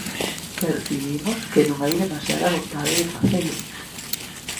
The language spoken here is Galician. Percibimos que non hai demasiada vontade de facelo.